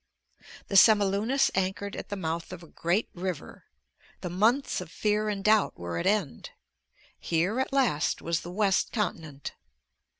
The Semilunis anchored at the mouth of a great river. The months of fear and doubt were at end. Here, at last, was the west continent.